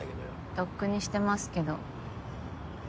とっくにしてますけど。